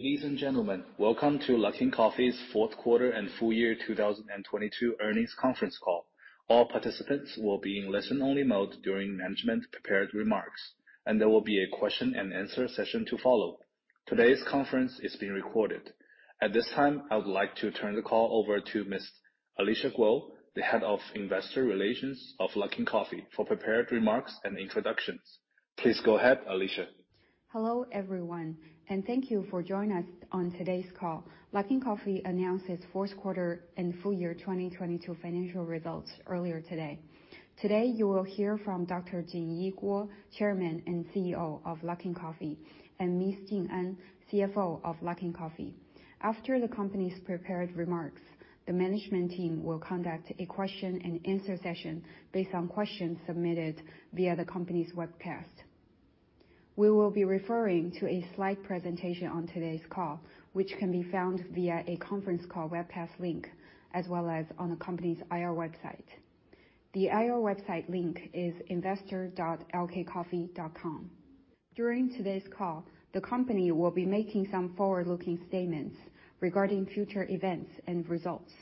Ladies and gentlemen, welcome to Luckin Coffee's fourth quarter and Full year 2022 earnings conference call. All participants will be in listen-only mode during management prepared remarks, and there will be a question and answer session to follow. Today's conference is being recorded. At this time, I would like to turn the call over to Ms. Alicia Guo, the head of investor relations of Luckin Coffee for prepared remarks and introductions. Please go ahead, Alicia. Hello, everyone, and thank you for joining us on today's call. Luckin Coffee announced its fourth quarter and Full Year 2022 financial results earlier today. Today, you will hear from Dr. Jinyi Guo, Chairman and CEO of Luckin Coffee, and Ms. Jing An, CFO of Luckin Coffee. After the company's prepared remarks, the management team will conduct a question and answer session based on questions submitted via the company's webcast. We will be referring to a slide presentation on today's call, which can be found via a conference call webcast link, as well as on the company's IR website. The IR website link is investor.lkcoffee.com. During today's call, the company will be making some forward-looking statements regarding future events and results.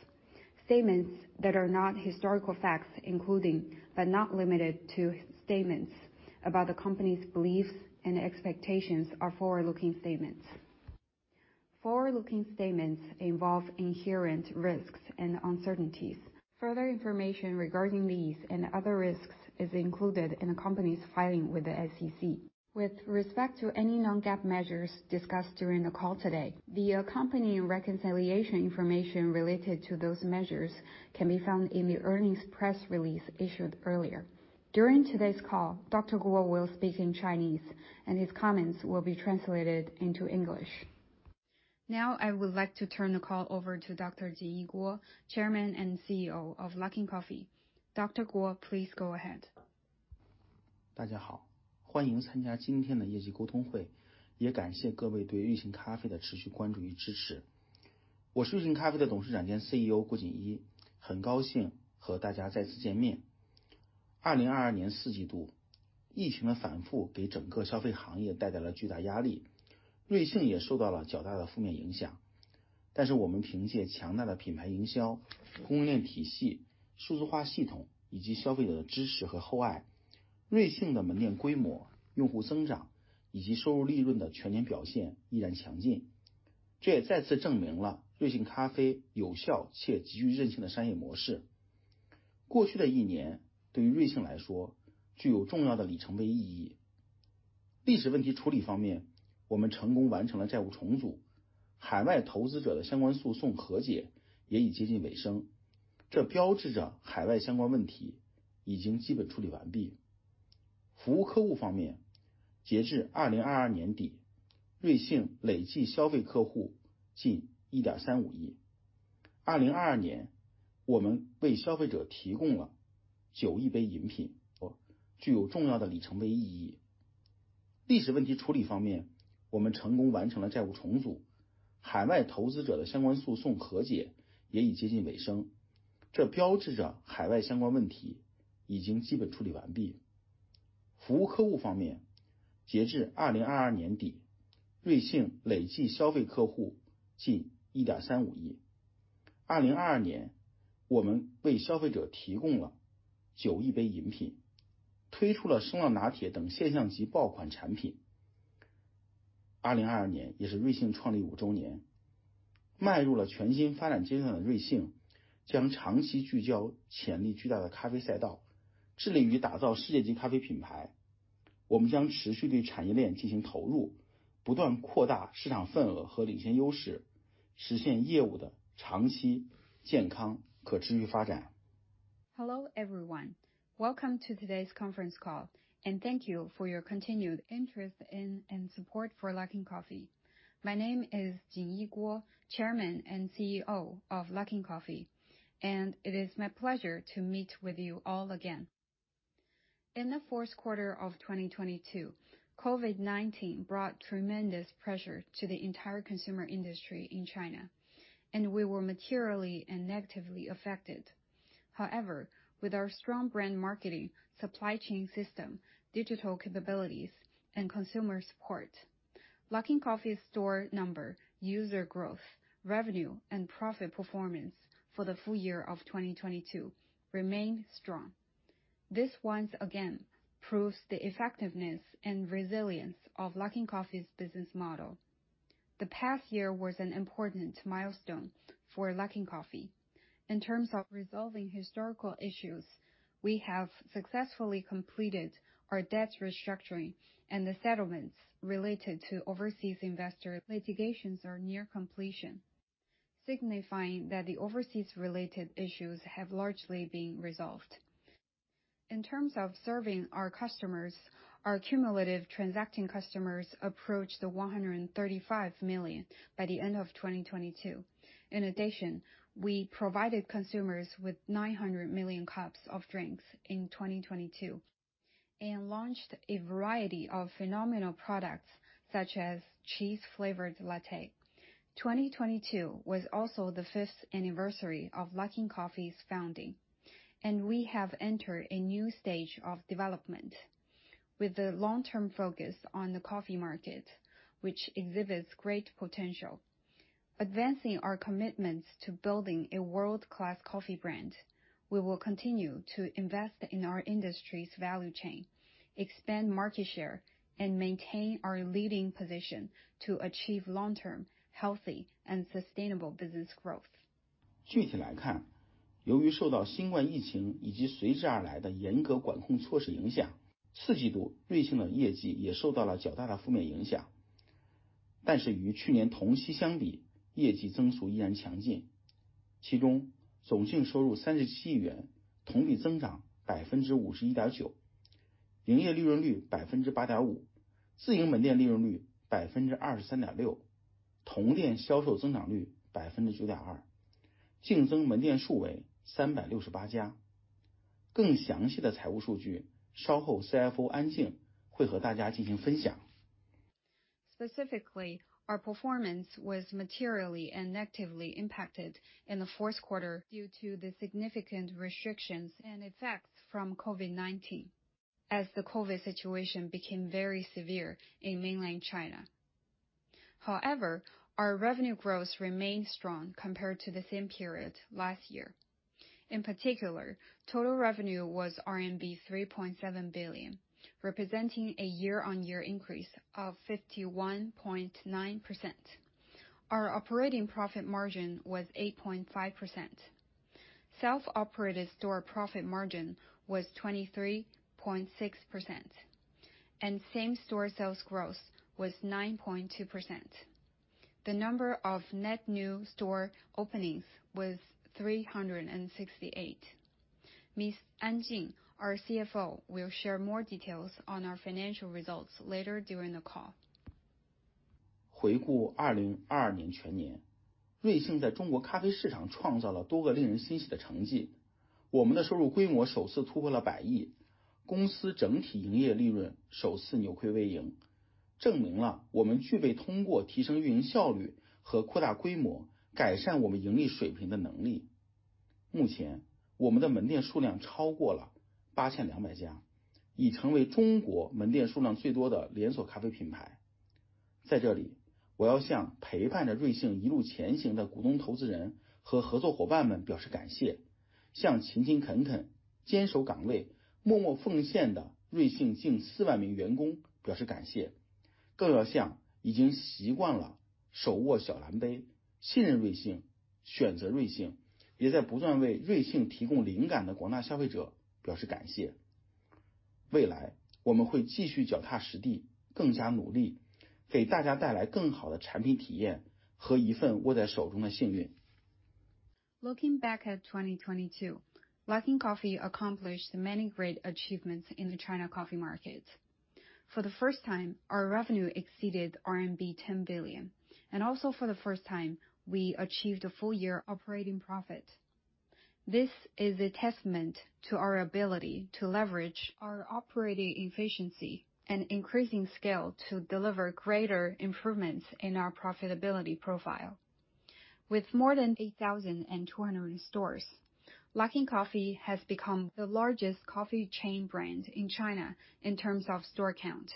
Statements that are not historical facts, including but not limited to statements about the company's beliefs and expectations are forward-looking statements. Forward-looking statements involve inherent risks and uncertainties. Further information regarding these and other risks is included in the company's filing with the SEC. With respect to any non-GAAP measures discussed during the call today, the accompanying reconciliation information related to those measures can be found in the earnings press release issued earlier. During today's call, Dr. Guo will speak in Chinese and his comments will be translated into English. Now I would like to turn the call over to Dr. Jinyi Guo, Chairman and CEO of Luckin Coffee. Dr. Guo, please go ahead. Hello, everyone. Welcome to today's conference call. Thank you for your continued interest in and support for Luckin Coffee. My name is Jinyi Guo, Chairman and CEO of Luckin Coffee. It is my pleasure to meet with you all again. In the fourth quarter of 2022, COVID-19 brought tremendous pressure to the entire consumer industry in China. We were materially and negatively affected. However, with our strong brand marketing, supply chain system, digital capabilities, and consumer support, Luckin Coffee's store number, user growth, revenue, and profit performance for the Full Year of 2022 remained strong. This once again proves the effectiveness and resilience of Luckin Coffee's business model. The past year was an important milestone for Luckin Coffee. In terms of resolving historical issues, we have successfully completed our debt restructuring and the settlements related to overseas investor litigations are near completion, signifying that the overseas related issues have largely been resolved. In terms of serving our customers, our cumulative transacting customers approached the 135 million by the end of 2022. We provided consumers with 900 million cups of drinks in 2022 and launched a variety of phenomenal products such as Cheese Flavored Latte. 2022 was also the fifth anniversary of Luckin Coffee's founding. We have entered a new stage of development with a long-term focus on the coffee market, which exhibits great potential. Advancing our commitments to building a world-class coffee brand, we will continue to invest in our industry's value chain, expand market share, and maintain our leading position to achieve long-term, healthy and sustainable business growth. 具体来 看， 由于受到 COVID-19 疫情以及随之而来的严格管控措施影 响， Q4 瑞幸的业绩也受到了较大的负面影响。与去年同期相 比， 业绩增速依然强劲。其中总净收入 RMB 3.7 billion， 同比增长 51.9%， 营业利润率 8.5%， 自营门店利润率 23.6%， 同店销售增长率 9.2%， 净增门店数为368 家。更详细的财务数 据， 稍后 CFO Jing An 会和大家进行分享。Specifically, our performance was materially and negatively impacted in the fourth quarter due to the significant restrictions and effects from COVID-19. As the COVID situation became very severe in mainland China. However, our revenue growth remained strong compared to the same period last year. In particular, total revenue was RMB 3.7 billion, representing a year-on-year increase of 51.9%. Our operating profit margin was 8.5%. Self-operated store profit margin was 23.6% and same-store sales growth was 9.2%. The number of net new store openings was 368. Miss Anjing, our CFO, will share more details on our financial results later during the call. 回顾 2022年 全 年， 瑞幸在中国咖啡市场创造了多个令人欣喜的成 绩， 我们的收入规模首次突破了 RMB 10 billion， 公司整体营业利润首次扭亏为 盈， 证明了我们具备通过提升运营效率和扩大规模改善我们盈利水平的能力。目前我们的门店数量超过了 8,200家， 已成为中国门店数量最多的连锁咖啡品牌。在这 里， 我要向陪伴着瑞幸一路前行的股东、投资人和合作伙伴们表示感 谢， 向勤勤恳恳坚守岗位、默默奉献的瑞幸 近40,000名 员工表示感谢。更要向已经习惯了手握小蓝 杯， 信任瑞 幸， 选择瑞 幸， 也在不断为瑞幸提供灵感的广大消费者表示感谢。未 来， 我们会继续脚踏实 地， 更加努 力， 给大家带来更好的产品体验和一份握在手中的幸运。Looking back at 2022, Luckin Coffee accomplished many great achievements in the China coffee market. For the first time, our revenue exceeded RMB 10 billion and also for the first time we achieved a full year operating profit. This is a testament to our ability to leverage our operating efficiency and increasing scale to deliver greater improvements in our profitability profile. With more than 8,200 stores, Luckin Coffee has become the largest coffee chain brand in China in terms of store count.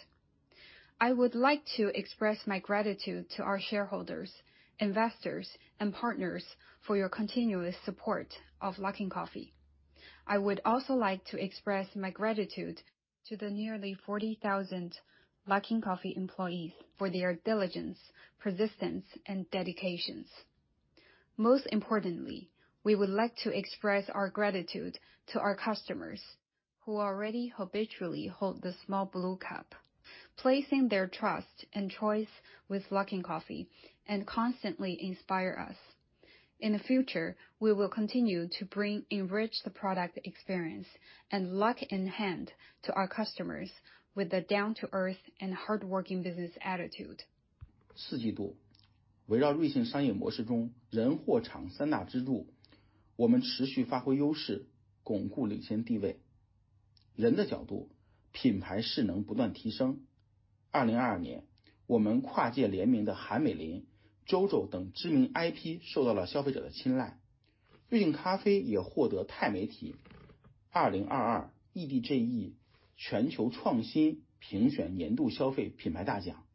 I would like to express my gratitude to our shareholders, investors and partners for your continuous support of Luckin Coffee. I would also like to express my gratitude to the nearly 40,000 Luckin Coffee employees for their diligence, persistence and dedications. Most importantly, we would like to express our gratitude to our customers who already habitually hold the small blue cup, placing their trust and choice with Luckin Coffee and constantly inspire us. In the future, we will continue to enrich the product experience and luck in hand to our customers with a down to earth and hardworking business attitude. 四季 度， 围绕瑞幸商业模式中人、货、场三大支 柱， 我们持续发挥优 势， 巩固领先地位。人的角 度， 品牌势能不断提升。2022 年， 我们跨界联名的韩美琳、JOJO 等知名 IP 受到了消费者的青睐。瑞幸咖啡也获得太媒体2022 EDGE 全球创新评选年度消费品牌大奖。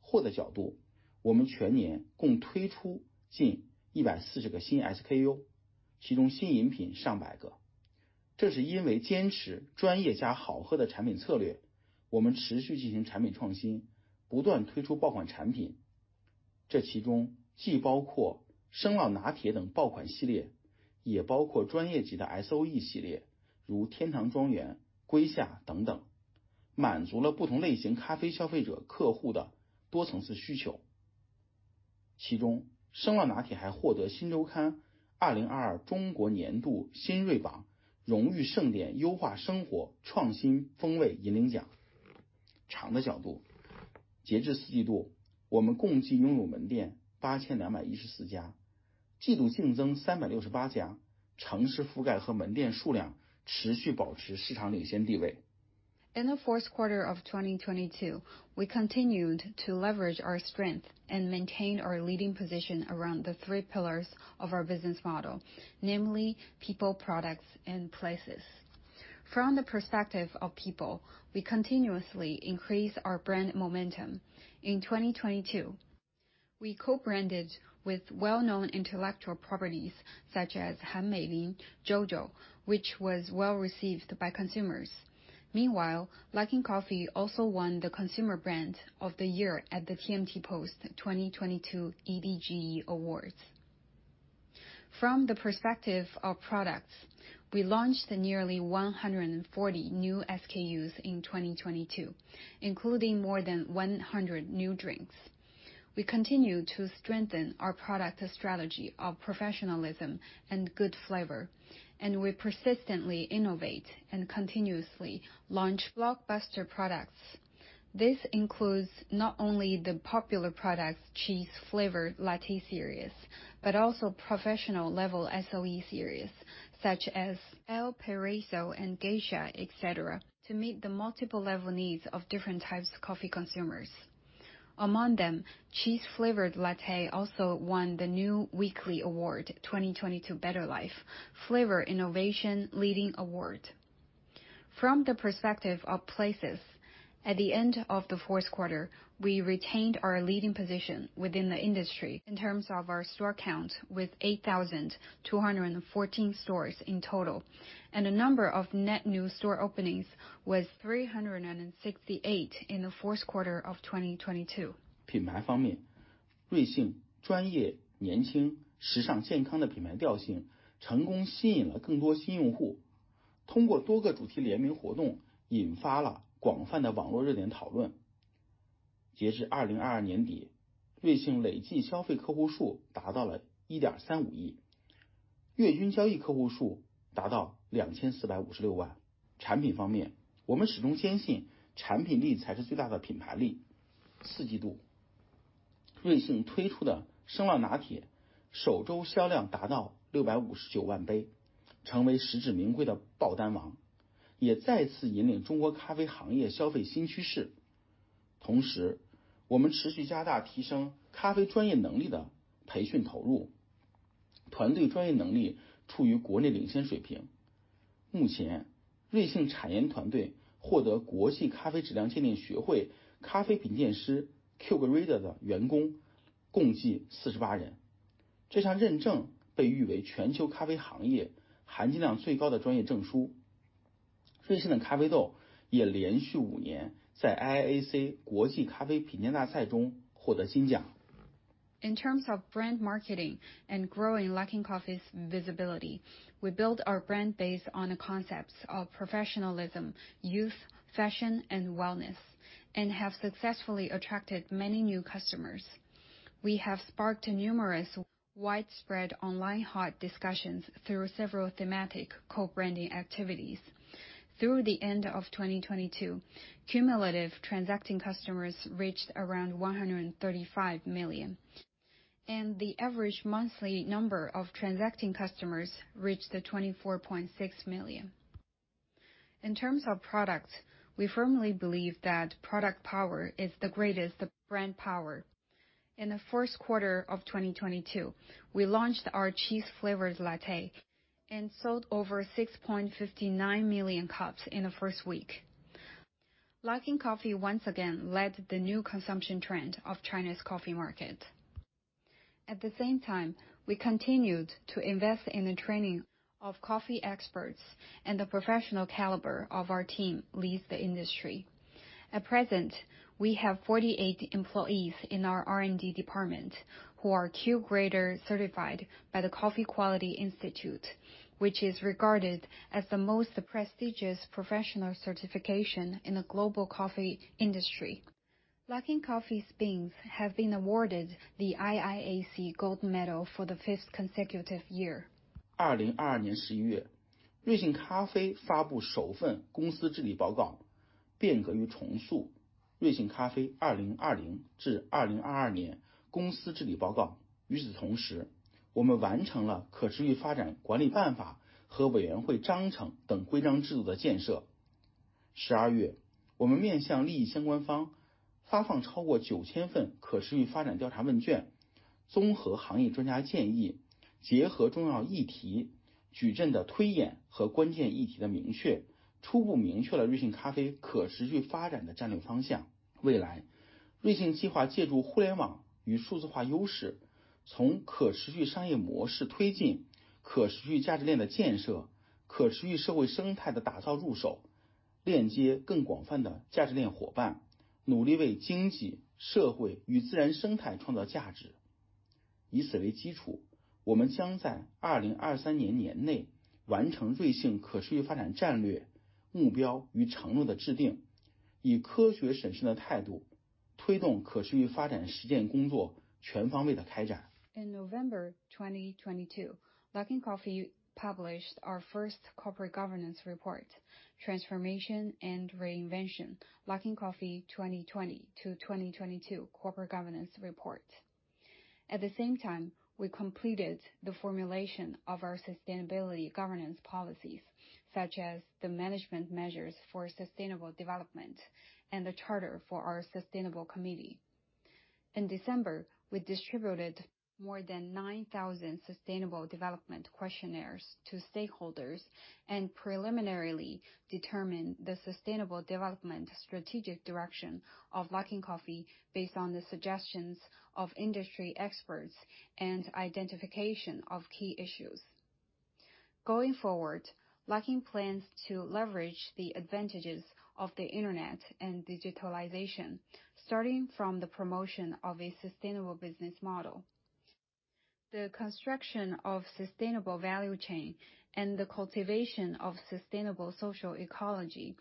货的角 度， 我们全年共推出近一百四十个新 SKU， 其中新饮品上百个。这是因为坚持专业加好喝的产品策略，我们持续进行产品创 新， 不断推出爆款产品。这其中既包括生酪拿铁等爆款系 列， 也包括专业级的 SOE 系 列， 如天堂庄园、瑰夏等 等， 满足了不同类型咖啡消费者客户的多层次需求。其中生酪拿铁还获得新周刊2022中国年度新锐榜荣誉盛典优化生活创新风味引领奖。场的角度。截至四季 度， 我们共计拥有门店八千两百一十四 家， 季度净增三百六十八 家， 城市覆盖和门店数量持续保持市场领先地位。In the fourth quarter of 2022, we continued to leverage our strength and maintain our leading position around the three pillars of our business model, namely people, products, and places. From the perspective of people, we continuously increase our brand momentum. In 2022, we co-branded with well-known intellectual properties such as Han Meilin, Jojo, which was well-received by consumers. Meanwhile, Luckin Coffee also won the Consumer Brand of the Year at the TMT Post 2022 EDGE Awards. From the perspective of products, we launched nearly 140 new SKUs in 2022, including more than 100 new drinks. We continue to strengthen our product strategy of professionalism and good flavor, and we persistently innovate and continuously launch blockbuster products. This includes not only the popular products, Cheese Flavored Latte series, but also professional level SOE series such as El Paraiso and Gesha, ecetra., to meet the multiple level needs of different types of coffee consumers. Among them, Cheese Flavored Latte also won the New Weekly Awards 2022 Better Life Flavor Innovation Leading Award. From the perspective of places, at the end of the fourth quarter, we retained our leading position within the industry in terms of our store count with 8,214 stores in total, and a number of net new store openings was 368 in the fourth quarter of 2022. 品牌方 面， 瑞幸专业、年轻、时尚、健康的品牌调性成功吸引了更多新用 户， 通过多个主题联名活动引发了广泛的网络热点讨论。截至二零二二年 底， 瑞幸累计消费客户数达到了一点三五 亿， 月均交易客户数达到两千四百五十六万。产品方 面， 我们始终坚信产品力才是最大的品牌力。四季 度， 瑞幸推出的生浪拿铁首周销量达到六百五十九万 杯， 成为实至名归的爆单 王， 也再次引领中国咖啡行业消费新趋势。同时，我们持续加大提升咖啡专业能力的培训投 入， 团队专业能力处于国内领先水平。目 前， 瑞幸产研团队获得国际咖啡质量鉴定学会咖啡品鉴师 Q Grader 的员工共计四十八人。这项认证被誉为全球咖啡行业含金量最高的专业证书。瑞幸的咖啡豆也连续五年在国际咖啡品鉴大赛中获得金奖。In terms of brand marketing and growing Luckin Coffee's visibility, we build our brand based on the concepts of professionalism, youth, fashion, and wellness, and have successfully attracted many new customers. We have sparked numerous widespread online hot discussions through several thematic co-branding activities. Through the end of 2022, cumulative transacting customers reached around 135 million, and the average monthly number of transacting customers reached 24.6 million. In terms of products, we firmly believe that product power is the greatest brand power. In the first quarter of 2022, we launched our Cheese Flavored Latte and sold over 6.59 million cups in the first week. Luckin Coffee once again led the new consumption trend of China's coffee market. At the same time, we continued to invest in the training of coffee experts, and the professional caliber of our team leads the industry. At present, we have 48 employees in our R&D department who are Q-Grader certified by the Coffee Quality Institute, which is regarded as the most prestigious professional certification in the global coffee industry. Luckin Coffee's beans have been awarded the IIAC gold medal for the 5th consecutive year. 二零二二年十一 月， 瑞幸咖啡发布首份公司治理报 告， 变革与重 塑， 瑞幸咖啡二零二零至二零二二年公司治理报告。与此同 时， 我们完成了可持续发展管理办法和委员会章程等规章制度的建设。十二 月， 我们面向利益相关方发放超过九千份可持续发展调查问 卷， 综合行业专家建 议， 结合重要议题矩阵的推演和关键议题的明确，初步明确了瑞幸咖啡可持续发展的战略方向。未 来， 瑞幸计划借助互联网与数字化优 势， 从可持续商业模式推 进， 可持续价值链的建 设， 可持续社会生态的打造入 手， 链接更广泛的价值链伙 伴， 努力为经济、社会与自然生态创造价值。以此为基 础， 我们将在二零二三年年内完成瑞幸可持续发展战略目标与承诺的制 定， 以科学审慎的态度推动可持续发展实践工作全方位地开展。In November 2022, Luckin Coffee published our first corporate governance report, Transformation and Reinvention, Luckin Coffee 2020 to 2022 Corporate Governance Report. At the same time, we completed the formulation of our sustainability governance policies, such as the management measures for sustainable development and the charter for our sustainable committee. In December, we distributed more than 9,000 sustainable development questionnaires to stakeholders and preliminarily determined the sustainable development strategic direction of Luckin Coffee based on the suggestions of industry experts and identification of key issues. Going forward, Luckin plans to leverage the advantages of the Internet and digitalization, starting from the promotion of a sustainable business model. The construction of sustainable value chain and the cultivation of sustainable social ecology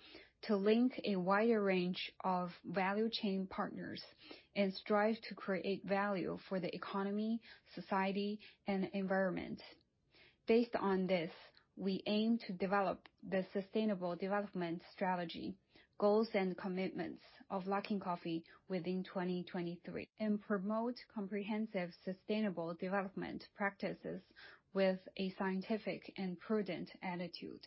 to link a wider range of value chain partners and strive to create value for the economy, society, and environment. Based on this, we aim to develop the sustainable development strategy, goals, and commitments of Luckin Coffee within 2023 and promote comprehensive sustainable development practices with a scientific and prudent attitude.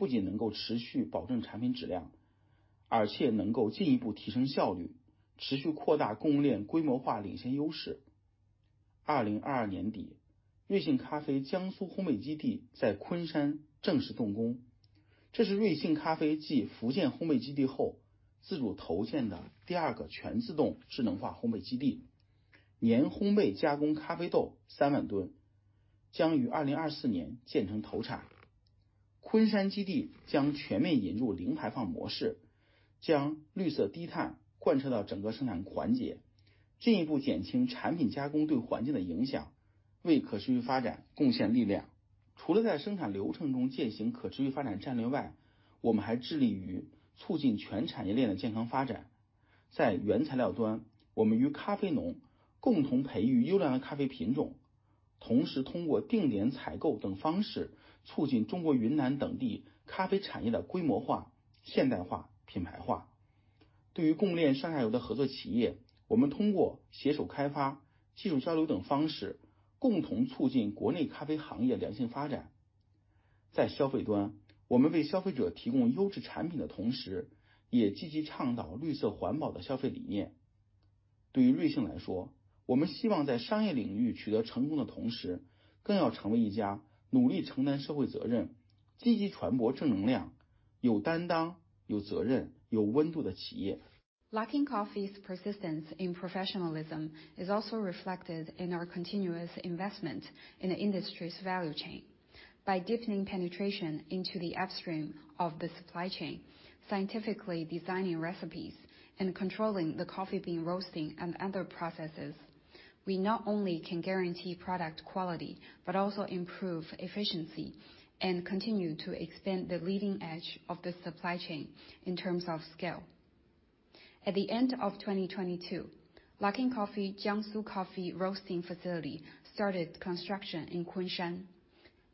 Luckin Coffee's persistence in professionalism is also reflected in our continuous investment in the industry's value chain. By deepening penetration into the upstream of the supply chain, scientifically designing recipes, and controlling the coffee bean roasting and other processes, we not only can guarantee product quality but also improve efficiency and continue to expand the leading edge of the supply chain in terms of scale. At the end of 2022, Luckin Coffee Jiangsu Coffee Roasting Facility started construction in Kunshan.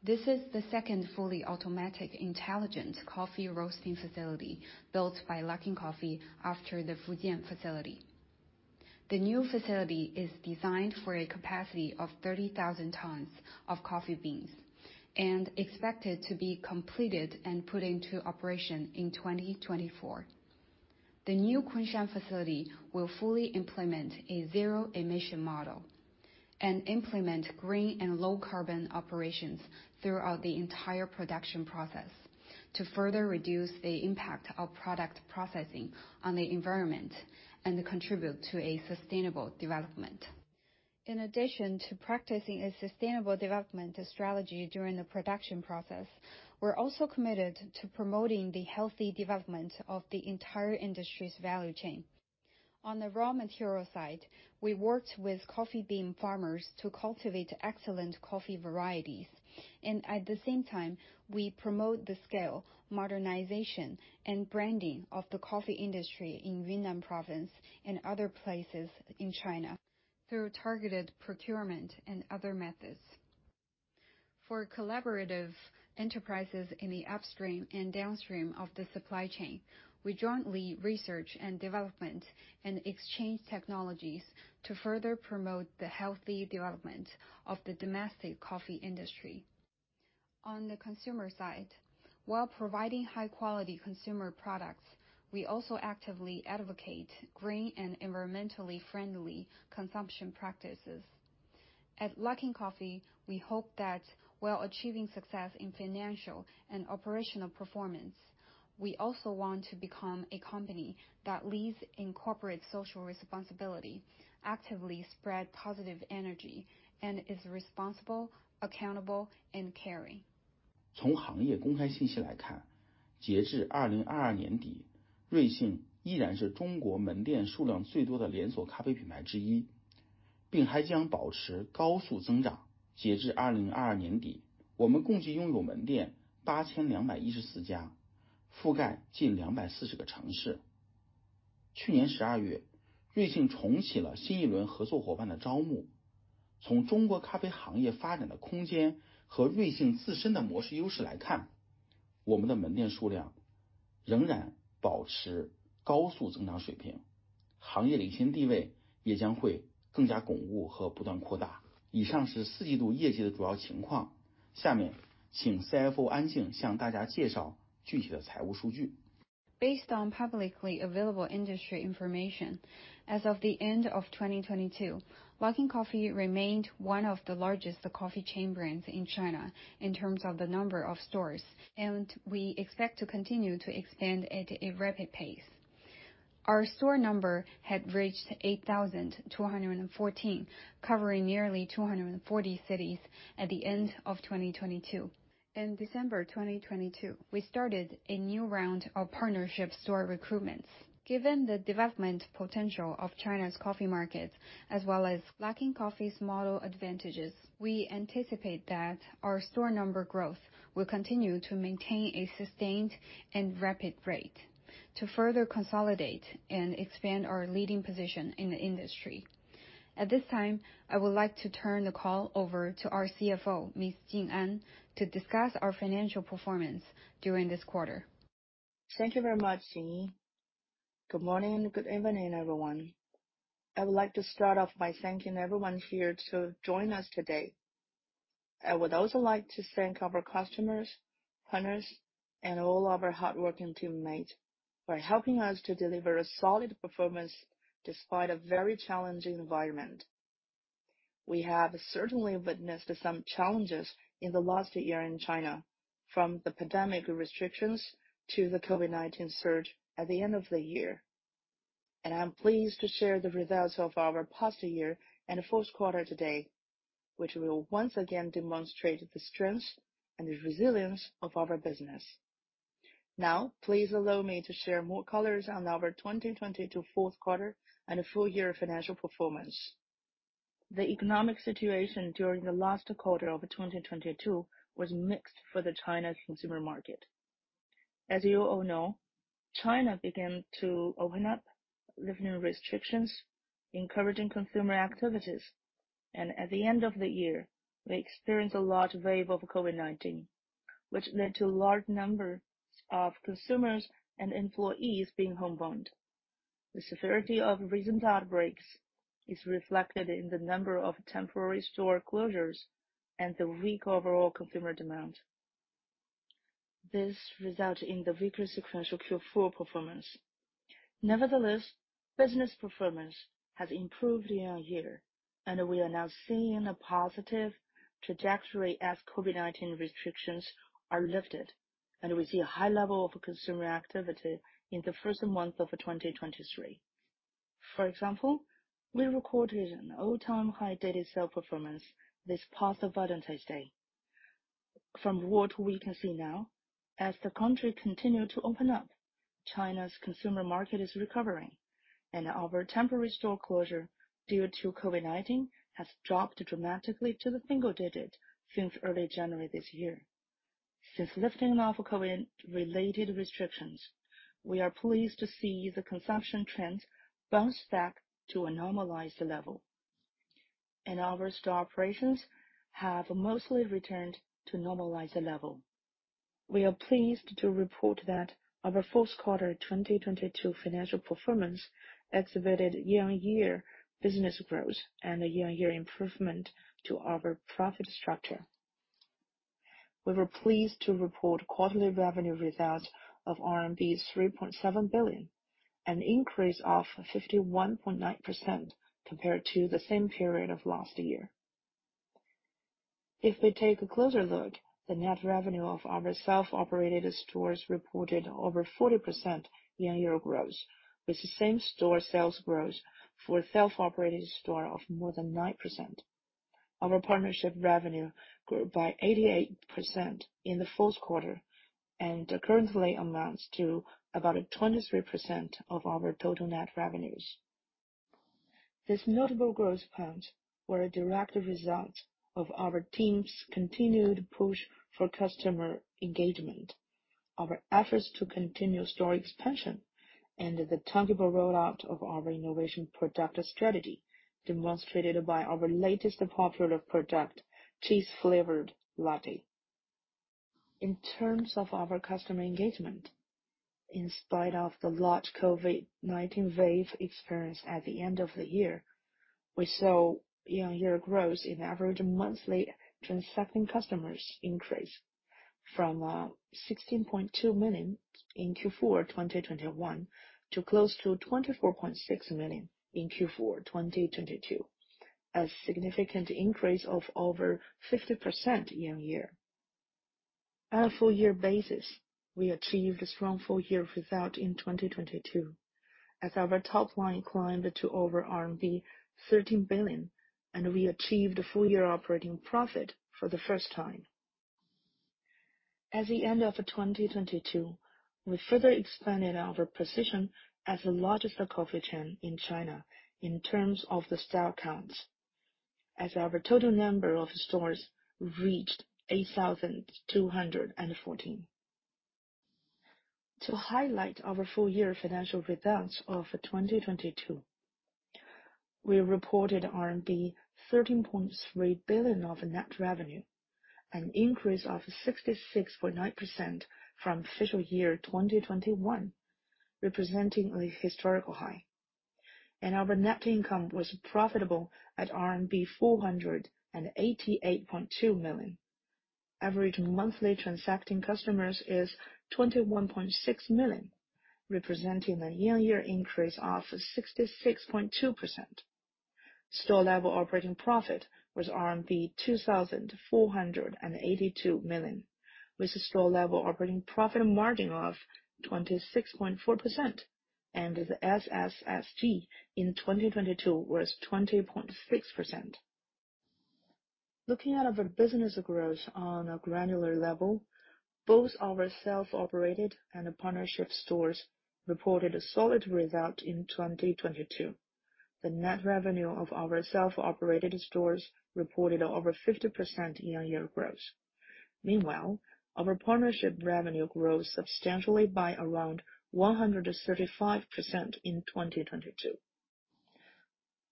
This is the second fully automatic intelligent coffee roasting facility built by Luckin Coffee after the Fujian facility. The new facility is designed for a capacity of 30,000 tons of coffee beans and expected to be completed and put into operation in 2024. The new Kunshan facility will fully implement a zero-emission model and implement green and low carbon operations throughout the entire production process to further reduce the impact of product processing on the environment and contribute to a sustainable development. In addition to practicing a sustainable development strategy during the production process, we're also committed to promoting the healthy development of the entire industry's value chain. On the raw material side, we worked with coffee bean farmers to cultivate excellent coffee varieties. At the same time, we promote the scale, modernization, and branding of the coffee industry in Yunnan Province and other places in China through targeted procurement and other methods. For collaborative enterprises in the upstream and downstream of the supply chain, we jointly research and development and exchange technologies to further promote the healthy development of the domestic coffee industry. On the consumer side, while providing high-quality consumer products, we also actively advocate green and environmentally friendly consumption practices. At Luckin Coffee, we hope that while achieving success in financial and operational performance we also want to become a company that leads in corporate social responsibility, actively spread positive energy, and is responsible, accountable, and caring. 从行业公开信息来看截至二零二二年底瑞幸依然是中国门店数量最多的连锁咖啡品牌之一并还将保持高速增长截至二零二二年底我们共计拥有门店八千两百一十四家覆盖近两百四十个城市去年十二月瑞幸重启了新一轮合作伙伴的招募从中国咖啡行业发展的空间和瑞幸自身的模式优势来看我们的门店数量仍然保持高速增长水平行业领先地位也将会更加巩固和不断扩大以上是四季度业绩的主要情况下面请 CFO 安静向大家介绍具体的财务数据 Based on publicly available industry information, as of the end of 2022, Luckin Coffee remained one of the largest coffee chain brands in China in terms of the number of stores, and we expect to continue to expand at a rapid pace. Our store number had reached 8,214, covering nearly 240 cities at the end of 2022. In December 2022, we started a new round of partnership store recruitments. Given the development potential of China's coffee markets, as well as Luckin Coffee's model advantages, we anticipate that our store number growth will continue to maintain a sustained and rapid rate to further consolidate and expand our leading position in the industry. At this time, I would like to turn the call over to our CFO, Ms. Jing An, to discuss our financial performance during this quarter. Thank you very much, Jinyi. Good morning and good evening, everyone. I would like to start off by thanking everyone here to join us today. I would also like to thank our customers, partners, and all of our hardworking teammates for helping us to deliver a solid performance despite a very challenging environment. We have certainly witnessed some challenges in the last year in China, from the pandemic restrictions to the COVID-19 surge at the end of the year. I'm pleased to share the results of our past year and fourtth quarter today, which will once again demonstrate the strength and the resilience of our business. Now, please allow me to share more colors on our 2022 fourth quarter and full year financial performance. The economic situation during the last quarter of 2022 was mixed for the China consumer market. As you all know, China began to open up, lifting restrictions, encouraging consumer activities, and at the end of the year, we experienced a large wave of COVID-19, which led to a large number of consumers and employees being homebound. The severity of recent outbreaks is reflected in the number of temporary store closures and the weak overall consumer demand. This resulted in the weaker sequential Q4 performance. Nevertheless, business performance has improved year-on-year, and we are now seeing a positive trajectory as COVID-19 restrictions are lifted, and we see a high level of consumer activity in the first month of 2023. For example, we recorded an all-time high daily sale performance this past Valentine's Day. From what we can see now, as the country continued to open up, China's consumer market is recovering, and our temporary store closure due to COVID-19 has dropped dramatically to the single digit since early January this year. Since lifting off COVID-related restrictions, we are pleased to see the consumption trends bounce back to a normalized level, and our store operations have mostly returned to normalized level. We are pleased to report that our fourth quarter 2022 financial performance exhibited year-on-year business growth and a year-on-year improvement to our profit structure. We were pleased to report quarterly revenue results of 3.7 billion RMB, an increase of 51.9% compared to the same period of last year. If we take a closer look, the net revenue of our self-operated stores reported over 40% year-over-year growth, with the same-store sales growth for self-operated store of more than 9%. Our partnership revenue grew by 88% in the fourth quarter, and currently amounts to about 23% of our total net revenues. These notable growth points were a direct result of our team's continued push for customer engagement, our efforts to continue store expansion, and the tangible rollout of our innovation product strategy, demonstrated by our latest popular product, Cheese Flavored Latte. In terms of our customer engagement, in spite of the large COVID-19 wave experience at the end of the year, we saw year-on-year growth in average monthly transacting customers increase from 16.2 million in Q4 2021 to close to 24.6 million in Q4 2022, a significant increase of over 50% year-on-year. On a full year basis, we achieved a strong full year result in 2022 as our top line climbed to over RMB 13 billion, and we achieved a full year operating profit for the first time. At the end of 2022, we further expanded our position as the largest coffee chain in China in terms of the store counts, as our total number of stores reached 8,214. To highlight our full year financial results of 2022, we reported RMB 13.3 billion of net revenue, an increase of 66.9% from Fiscal Year 2021, representing a historical high. Our net income was profitable at RMB 488.2 million. Average monthly transacting customers is 21.6 million, representing a year-on-year increase of 66.2%. Store level operating profit was RMB 2,482 million, with a store level operating profit margin of 26.4%. The SSSG in 2022 was 20.6%. Looking at our business growth on a granular level, both our self-operated and partnership stores reported a solid result in 2022. The net revenue of our self-operated stores reported over 50% year-on-year growth. Meanwhile, our partnership revenue grew substantially by around 135% in 2022.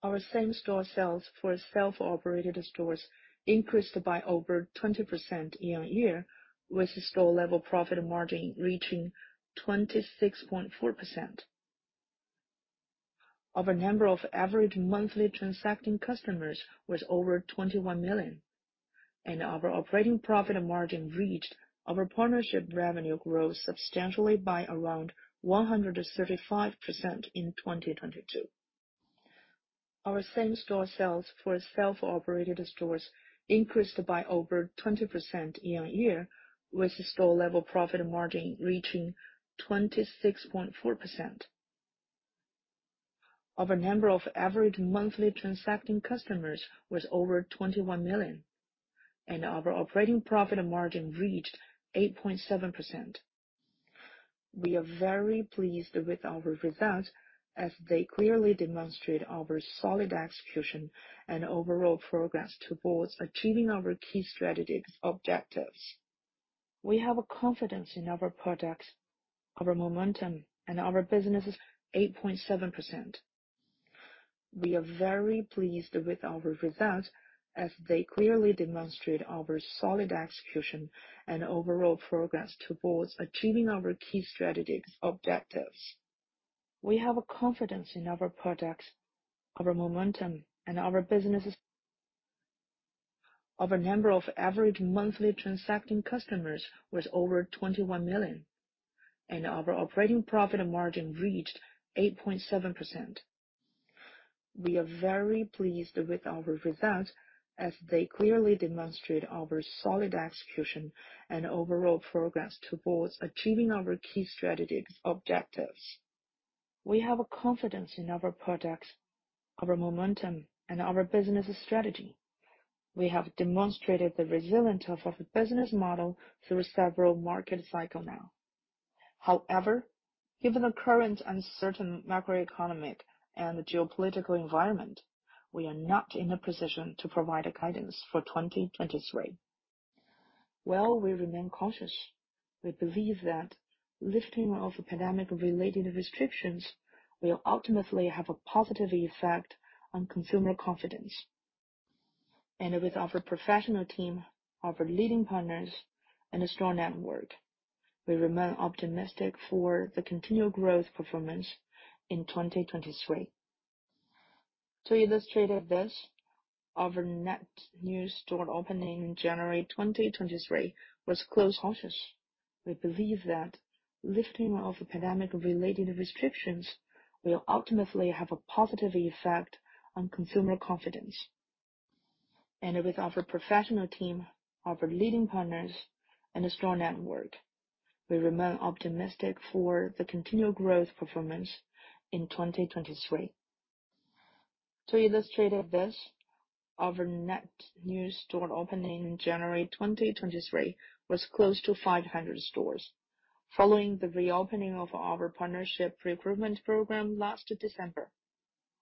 Our same-store sales for self-operated stores increased by over 20% year-on-year, with store level profit margin reaching 26.4%. Our number of average monthly transacting customers was over 21 million, and our operating profit margin reached 8.7%. We are very pleased with our results as they clearly demonstrate our solid execution and overall progress towards achieving our key strategic objectives. We have confidence in our products, our momentum, and our business' 8.7%. We are very pleased with our results as they clearly demonstrate our solid execution and overall progress towards achieving our key strategic objectives. We have confidence in our products, our momentum, and our business'. Our number of average monthly transacting customers was over 21 million, and our operating profit margin reached 8.7%. We are very pleased with our results as they clearly demonstrate our solid execution and overall progress towards achieving our key strategic objectives. We have confidence in our products, our momentum, and our business' strategy. We have demonstrated the resilience of our business model through several market cycle now. However, given the current uncertain macroeconomic and geopolitical environment, we are not in a position to provide guidance for 2023. While we remain cautious, we believe that lifting of pandemic-related restrictions will ultimately have a positive effect on consumer confidence. With our professional team, our leading partners, and a strong network, we remain optimistic for the continued growth performance in 2023. To illustrate this, our net new store opening in January 2023 was close. Cautious. We believe that lifting of pandemic-related restrictions will ultimately have a positive effect on consumer confidence. With our professional team, our leading partners, and a strong network, we remain optimistic for the continued growth performance in 2023. To illustrate this, our net new store opening in January 2023 was close to 500 stores. Following the reopening of our partnership recruitment program last December,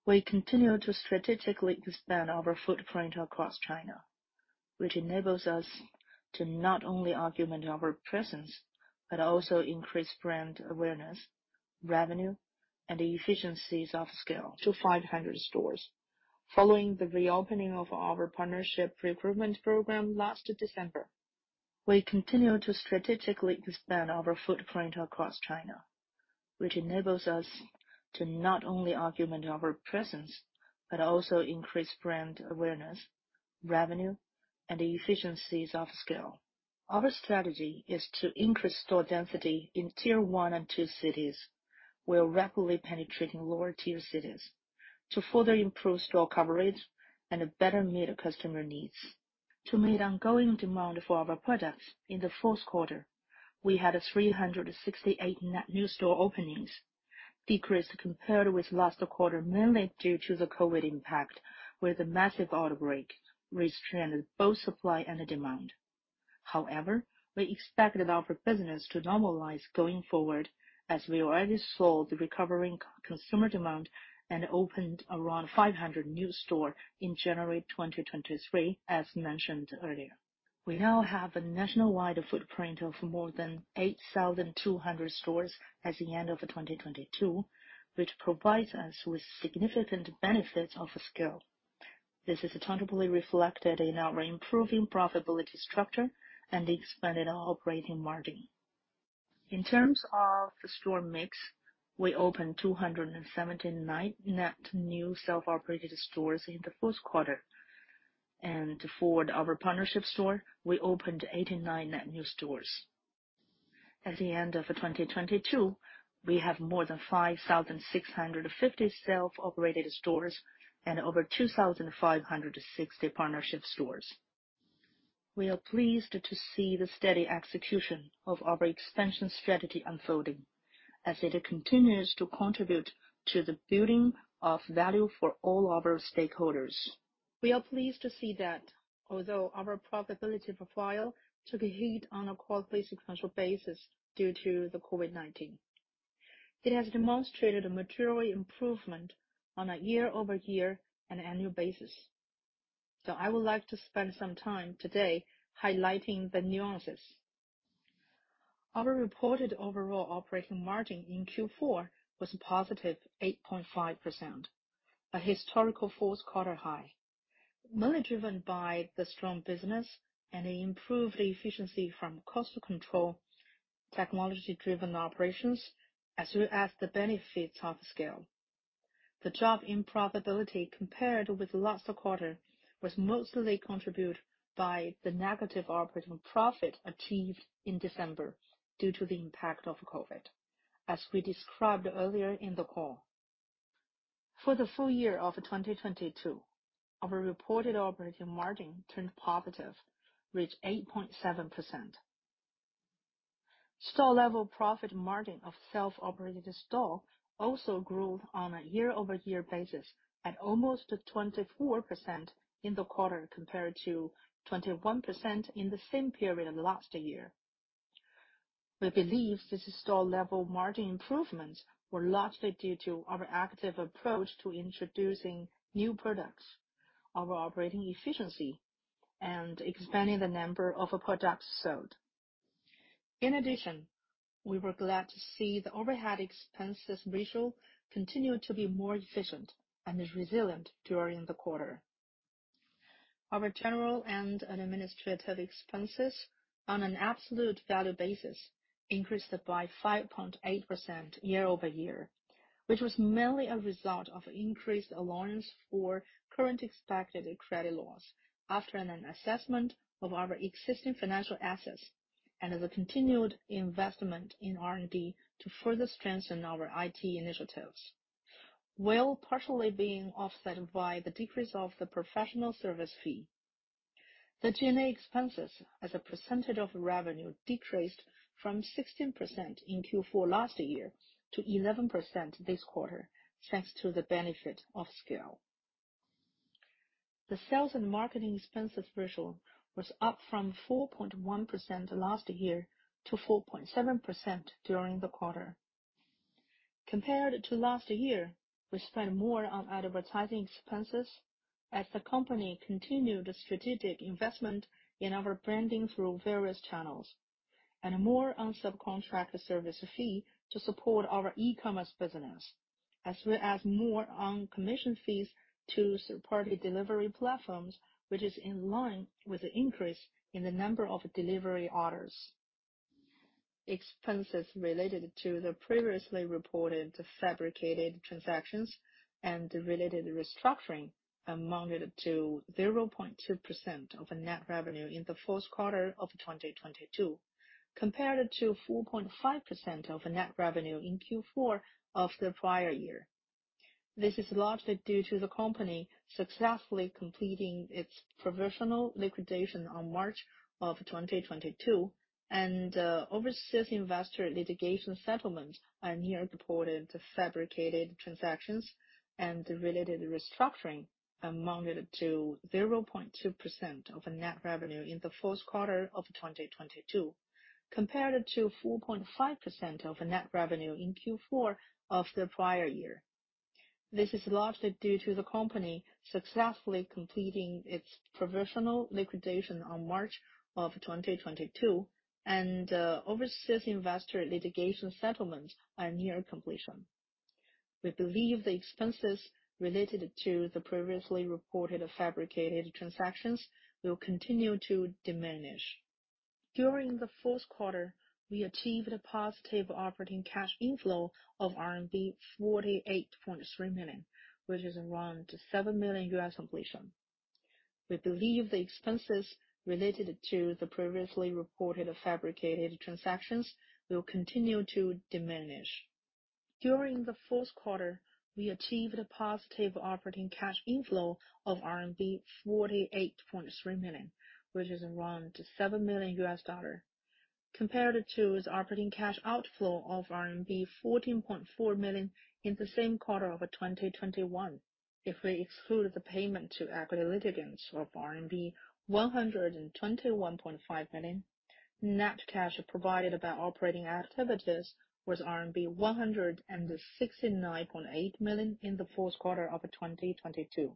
we continue to strategically expand our footprint across China, which enables us to not only augment our presence, but also increase brand awareness, revenue, and efficiencies of scale. To 500 stores. Following the reopening of our partnership recruitment program last December, we continue to strategically expand our footprint across China, which enables us to not only augment our presence, but also increase brand awareness, revenue, and efficiencies of scale. Our strategy is to increase store density in tier one and two cities. We are rapidly penetrating lower tier cities to further improve store coverage and better meet customer needs. To meet ongoing demand for our products in the first quarter, we had 368 net new store openings, decreased compared with last quarter, mainly due to the COVID-19 impact, where the massive outbreak restrained both supply and demand. We expected our business to normalize going forward as we already saw the recovering consumer demand and opened around 500 new store in January 2023, as mentioned earlier. We now have a nationwide footprint of more than 8,200 stores as the end of 2022, which provides us with significant benefits of scale. This is attentively reflected in our improving profitability structure and expanded operating margin. In terms of the store mix, we opened 279 net new self-operated stores in the first quarter. For our partnership store, we opened 89 net new stores. At the end of 2022, we have more than 5,650 self-operated stores and over 2,560 partnership stores. We are pleased to see the steady execution of our expansion strategy unfolding, as it continues to contribute to the building of value for all our stakeholders. We are pleased to see that although our profitability profile took a hit on a quarterly-sequential basis due to the COVID-19, it has demonstrated a material improvement on a year-over-year and annual basis. I would like to spend some time today highlighting the nuances. Our reported overall operating margin in Q4 was a positive 8.5%, a historical fourth quarter high, mainly driven by the strong business and improved efficiency from cost control, technology-driven operations, as well as the benefits of scale. The drop in profitability compared with last quarter was mostly contributed by the negative operating profit achieved in December due to the impact of COVID, as we described earlier in the call. For the Full Year of 2022, our reported operating margin turned positive, reached 8.7%. Store level profit margin of self-operated store also grew on a year-over-year basis at almost 24% in the quarter, compared to 21% in the same period last year. We believe this store level margin improvements were largely due to our active approach to introducing new products, our operating efficiency, and expanding the number of products sold. We were glad to see the overhead expenses ratio continued to be more efficient and is resilient during the quarter. Our general and administrative expenses on an absolute value basis increased by 5.8% year-over-year, which was mainly a result of increased allowance for current expected credit loss after an assessment of our existing financial assets and as a continued investment in R&D to further strengthen our IT initiatives, while partially being offset by the decrease of the professional service fee. The G&A expenses as a percentage of revenue decreased from 16% in Q4 last year to 11% this quarter, thanks to the benefit of scale. The sales and marketing expenses ratio was up from 4.1% last year to 4.7% during the quarter. Compared to last year, we spent more on advertising expenses as the company continued strategic investment in our branding through various channels and more on subcontract service fee to support our e-commerce business, as we add more on commission fees to third-party delivery platforms, which is in line with the increase in the number of delivery orders. Expenses related to the previously reported fabricated transactions and related restructuring amounted to 0.2% of net revenue in the first quarter of 2022, compared to 4.5% of net revenue in Q4 of the prior year. This is largely due to the company successfully completing its provisional liquidation on March of 2022 and overseas investor litigation settlements and near-deported fabricated transactions and related restructuring amounted to 0.2% of net revenue in the fourth quarter of 2022, compared to 4.5% of net revenue in Q4 of the prior year. This is largely due to the company successfully completing its provisional liquidation on March of 2022 and overseas investor litigation settlements are near completion. We believe the expenses related to the previously reported fabricated transactions will continue to diminish. During the fourth quarter, we achieved a positive operating cash inflow of RMB 48.3 million, which is around $7 million US completion. We believe the expenses related to the previously reported fabricated transactions will continue to diminish. During the fourth quarter, we achieved a positive operating cash inflow of RMB 48.3 million, which is around $7 million. Compared to the operating cash outflow of RMB 14.4 million in the same quarter of 2021. If we exclude the payment to equity litigants of RMB 121.5 million, net cash provided by operating activities was RMB 169.8 million in the fourth quarter of 2022.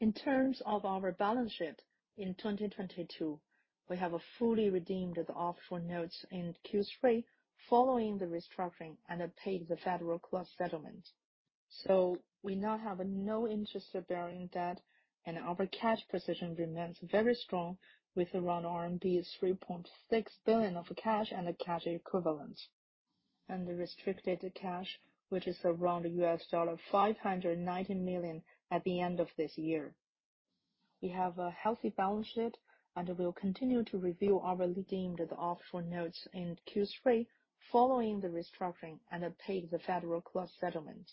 In terms of our balance sheet in 2022, we have fully redeemed the offshore notes in Q3 following the restructuring and paid the federal class settlement. We now have no interest bearing debt and our cash position remains very strong with around RMB 3.6 billion of cash and cash equivalents, and restricted cash, which is around $590 million at the end of this year. We have a healthy balance sheet and will continue to review our redeemed the offshore notes in Q three following the restructuring and paid the federal class settlement.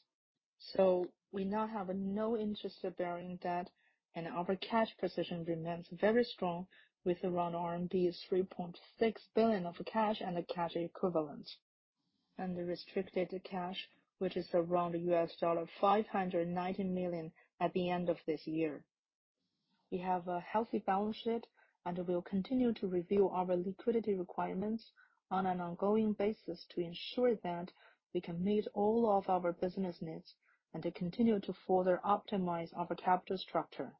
We now have no interest bearing debt and our cash position remains very strong with around RMB 3.6 billion of cash and cash equivalents, and restricted cash, which is around $590 million at the end of this year. We have a healthy balance sheet and will continue to review our liquidity requirements on an ongoing basis to ensure that we can meet all of our business needs and to continue to further optimize our capital structure.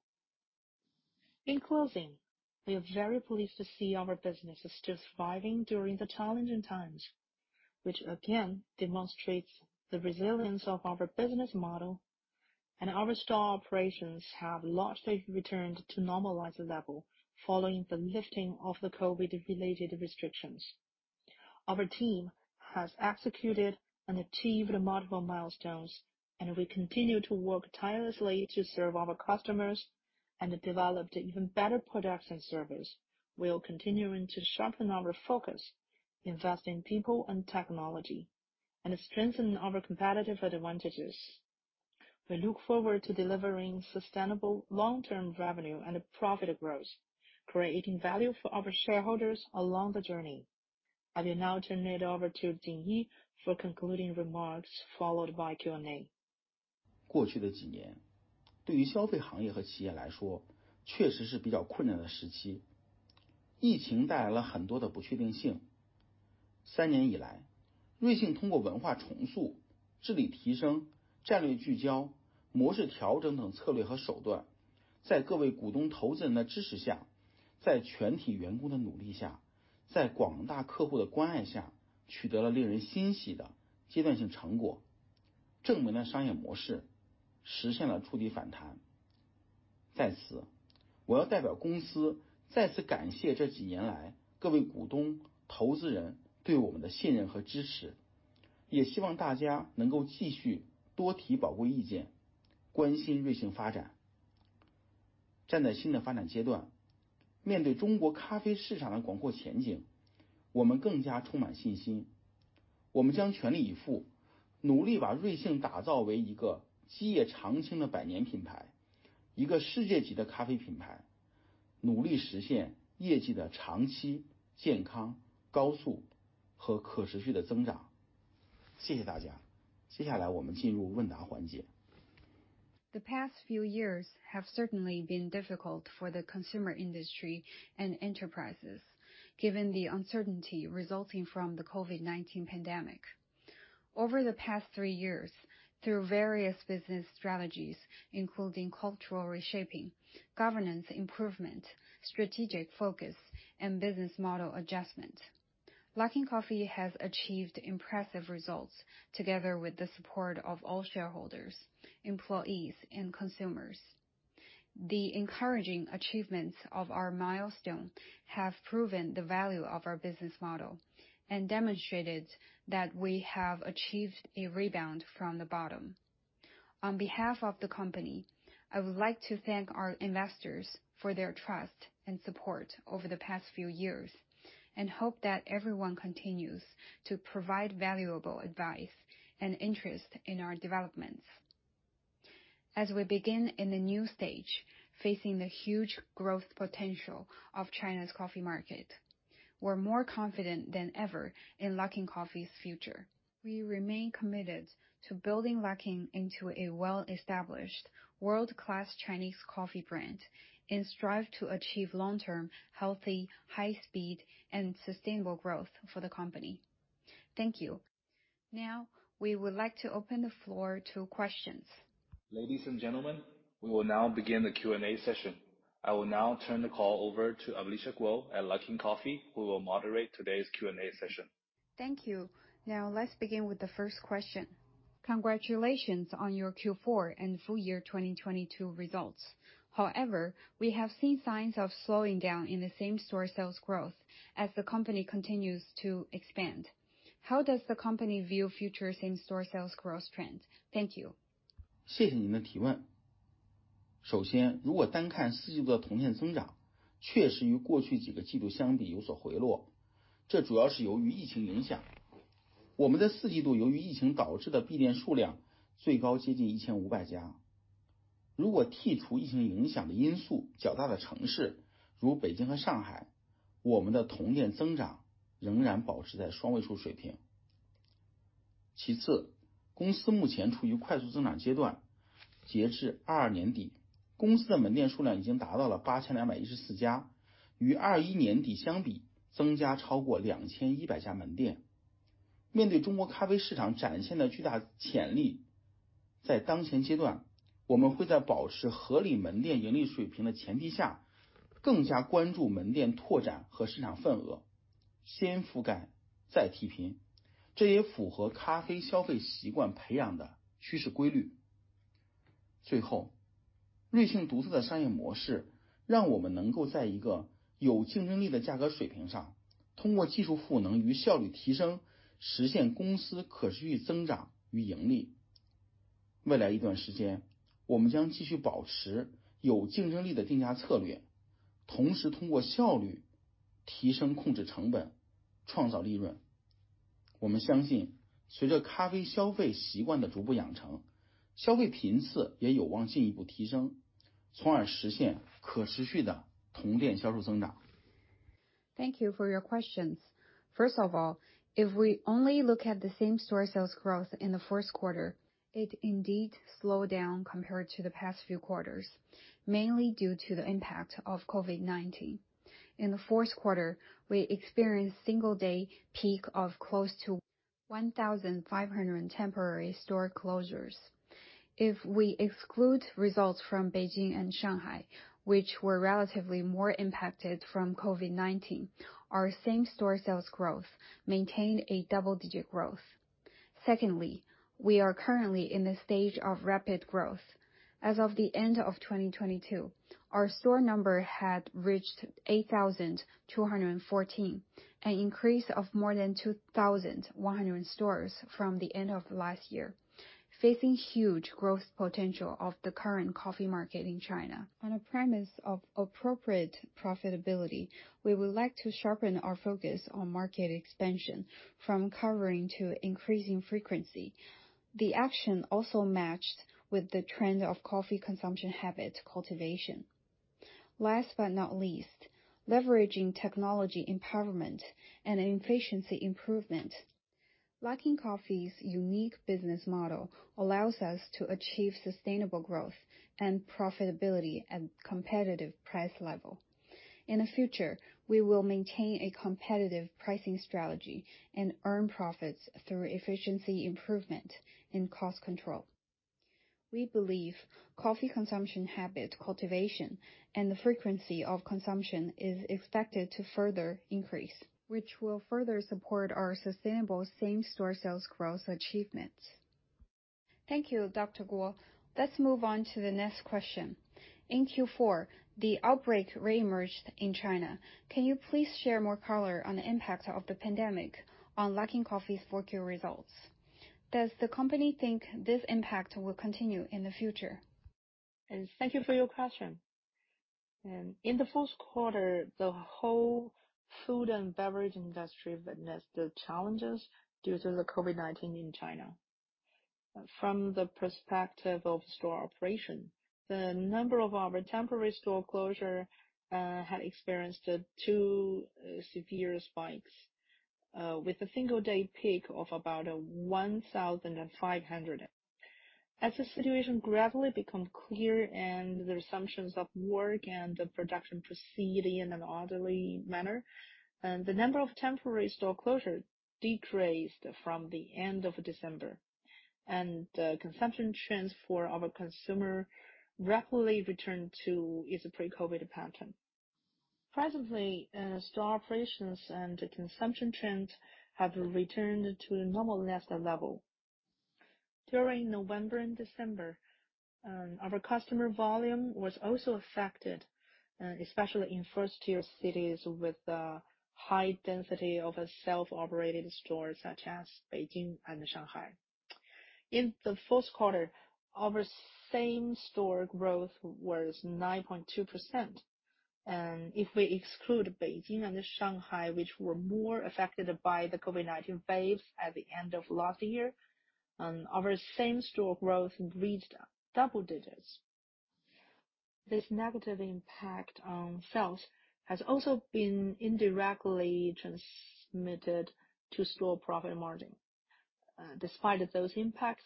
In closing, we are very pleased to see our business is still thriving during the challenging times, which again demonstrates the resilience of our business model and our store operations have largely returned to normalized level following the lifting of the COVID related restrictions. Our team has executed and achieved multiple milestones, and we continue to work tirelessly to serve our customers and develop even better products and service. We are continuing to sharpen our focus, invest in people and technology, and strengthen our competitive advantages. We look forward to delivering sustainable long-term revenue and profit growth, creating value for our shareholders along the journey. I will now turn it over to Jinyi for concluding remarks followed by Q&A. The past few years have certainly been difficult for the consumer industry and enterprises, given the uncertainty resulting from the COVID-19 pandemic. Over the past three years, through various business strategies, including cultural reshaping, governance improvement, strategic focus, and business model adjustment, Luckin Coffee has achieved impressive results together with the support of all shareholders, employees, and consumers. The encouraging achievements of our milestone have proven the value of our business model and demonstrated that we have achieved a rebound from the bottom. On behalf of the company, I would like to thank our investors for their trust and support over the past few years and hope that everyone continues to provide valuable advice and interest in our developments. As we begin in the new stage, facing the huge growth potential of China's coffee market, we're more confident than ever in Luckin Coffee's future. We remain committed to building Luckin into a well-established world-class Chinese coffee brand and strive to achieve long-term, healthy, high speed, and sustainable growth for the company. Thank you. Now, we would like to open the floor to questions. Ladies and gentlemen, we will now begin the Q&A session. I will now turn the call over to Alicia Guo at Luckin Coffee, who will moderate today's Q&A session. Thank you. Let's begin with the first question. Congratulations on your Q4 and Full Year 2022 results. We have seen signs of slowing down in the same-store sales growth as the company continues to expand. How does the company view future same-store sales growth trends? Thank you. Thank you for your questions. If we only look at the same-store sales growth in the first quarter, it indeed slowed down compared to the past few quarters, mainly due to the impact of COVID-19. In the fourth quarter, we experienced single day peak of close to 1,500 temporary store closures. If we exclude results from Beijing and Shanghai, which were relatively more impacted from COVID-19, our same-store sales growth maintained a double-digit growth. We are currently in the stage of rapid growth. As of the end of 2022, our store number had reached 8,214, an increase of more than 2,100 stores from the end of last year. Facing huge growth potential of the current coffee market in China on a premise of appropriate profitability, we would like to sharpen our focus on market expansion from covering to increasing frequency. The action also matched with the trend of coffee consumption habit cultivation. Leveraging technology empowerment and efficiency improvement. Luckin Coffee's unique business model allows us to achieve sustainable growth and profitability at competitive price level. In the future, we will maintain a competitive pricing strategy and earn profits through efficiency improvement in cost control. We believe coffee consumption habit cultivation and the frequency of consumption is expected to further increase, which will further support our sustainable same-store sales growth achievements. Thank you, Dr. Guo. Let's move on to the next question. In Q4, the outbreak reemerged in China. Can you please share more color on the impact of the pandemic on Luckin Coffee's 4Q results? Does the company think this impact will continue in the future? Thank you for your question. In the first quarter, the whole food and beverage industry witnessed the challenges due to the COVID-19 in China. From the perspective of store operation, the number of our temporary store closure had experienced two severe spikes with a single day peak of about 1,500. As the situation gradually become clear and the assumptions of work and the production proceeding in an orderly manner, the number of temporary store closure decreased from the end of December, and the consumption trends for our consumer rapidly returned to its pre-COVID pattern. Presently, store operations and consumption trends have returned to a normal level. During November and December, our customer volume was also affected, especially in first-tier cities with the high density of self-operated stores such as Beijing and Shanghai. In the fourth quarter, our same-store growth was 9.2%. If we exclude Beijing and Shanghai, which were more affected by the COVID-19 waves at the end of last year, our same-store growth reached double digits. This negative impact on sales has also been indirectly transmitted to store profit margin. Despite those impacts,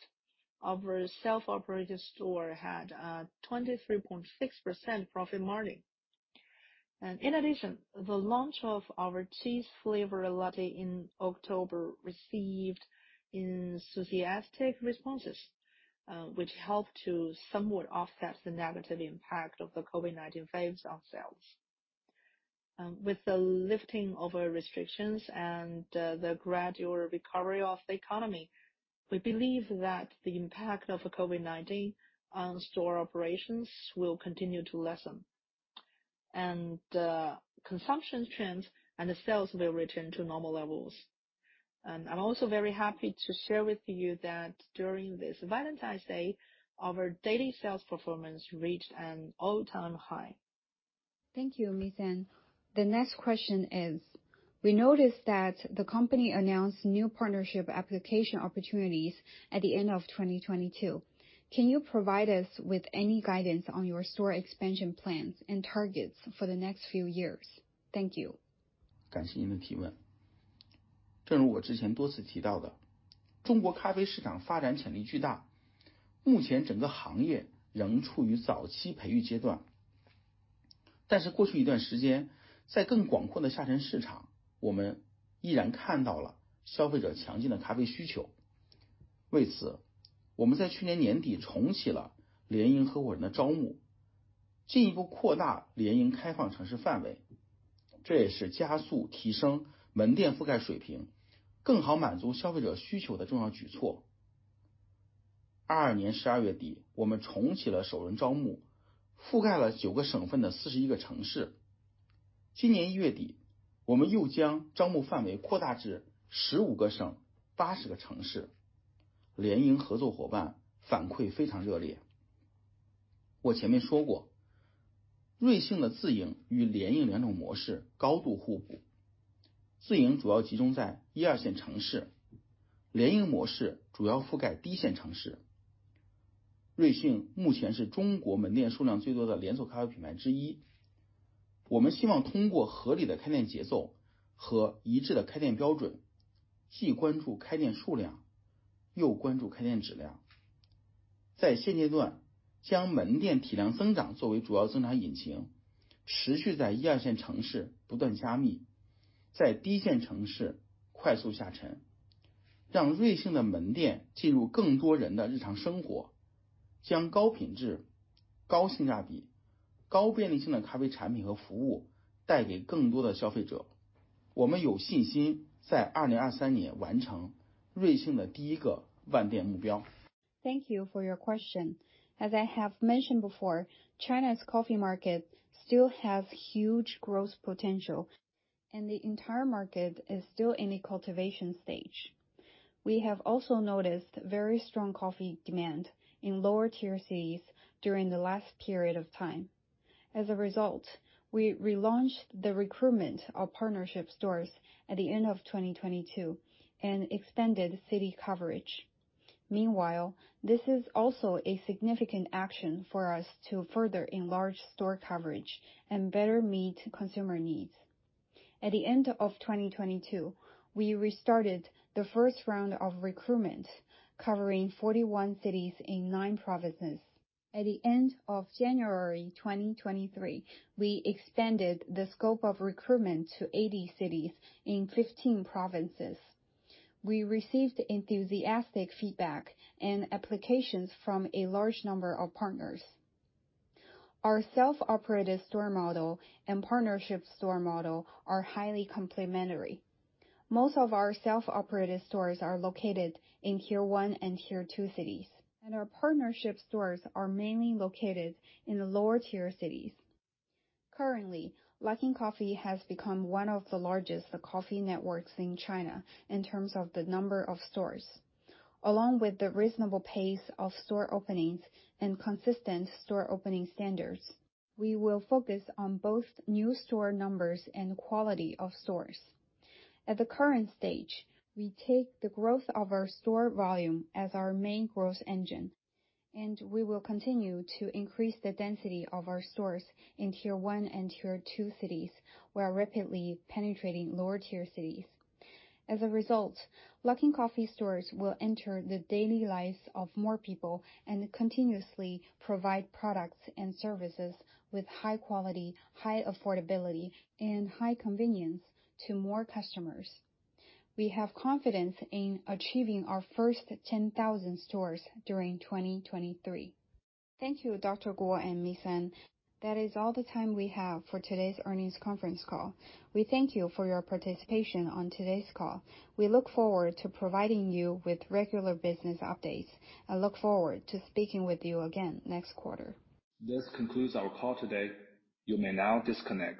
our self-operated store had a 23.6% profit margin. In addition, the launch of our Cheese Flavored Latte in October received enthusiastic responses, which helped to somewhat offset the negative impact of the COVID-19 waves on sales. With the lifting of restrictions and the gradual recovery of the economy, we believe that the impact of COVID-19 on store operations will continue to lessen. Consumption trends and the sales will return to normal levels. I'm also very happy to share with you that during this Valentine's Day, our daily sales performance reached an all-time high. Thank you, Ms. An. The next question is: we noticed that the company announced new partnership application opportunities at the end of 2022. Can you provide us with any guidance on your store expansion plans and targets for the next few years? Thank you. Thank you for your question. As I have mentioned before, China's coffee market still has huge growth potential, and the entire market is still in a cultivation stage. We have also noticed very strong coffee demand in lower tier cities during the last period of time. As a result, we relaunched the recruitment of partnership stores at the end of 2022 and extended city coverage. Meanwhile, this is also a significant action for us to further enlarge store coverage and better meet consumer needs. At the end of 2022, we restarted the first round of recruitment, covering 41 cities in nine provinces. At the end of January 2023, we expanded the scope of recruitment to 80 cities in 15 provinces. We received enthusiastic feedback and applications from a large number of partners. Our self-operated store model and partnership store model are highly complementary. Most of our self-operated stores are located in tier one and tier two cities, and our partnership stores are mainly located in the lower tier cities. Currently, Luckin Coffee has become one of the largest coffee networks in China in terms of the number of stores. Along with the reasonable pace of store openings and consistent store opening standards, we will focus on both new store numbers and quality of stores. At the current stage, we take the growth of our store volume as our main growth engine. We will continue to increase the density of our stores in tier one and tier two cities, while rapidly penetrating lower tier cities. As a result, Luckin Coffee stores will enter the daily lives of more people and continuously provide products and services with high quality, high affordability, and high convenience to more customers. We have confidence in achieving our first 10,000 stores during 2023. Thank you, Dr. Guo and Ms. An. That is all the time we have for today's earnings conference call. We thank you for your participation on today's call. We look forward to providing you with regular business updates and look forward to speaking with you again next quarter. This concludes our call today. You may now disconnect.